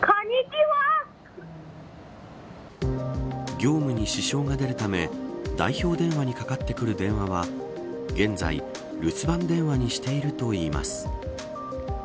業務に支障が出るため代表電話にかかってくる電話は現在、留守番電話にしているといいます。